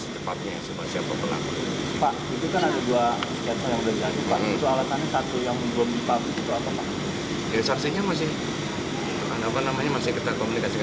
kepolisian sudah dengan segala upaya tetap kita melakukan penyidik penyidik